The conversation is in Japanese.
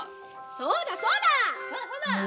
そうだそうだ！